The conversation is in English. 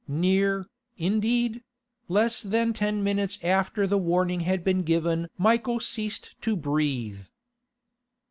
Near, indeed; less than ten minutes after the warning had been given Michael ceased to breathe.